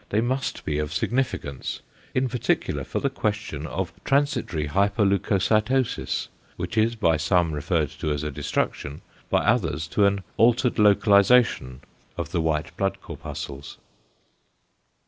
They must be of significance, in particular for the question of transitory hyperleucocytosis, which is by some referred to a destruction, by others to an altered localisation of the white blood corpuscles.